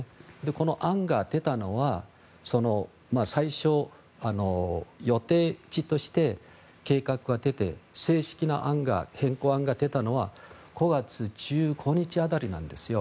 この案が出たのは最初の予定地として計画が出て正式な変更案が出たのは５月１５日辺りなんですよ。